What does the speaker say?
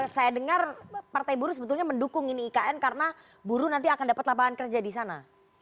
saya dengar partai buruh sebetulnya mendukung ini ikn karena buruh nanti akan dapat lapangan kerja di sana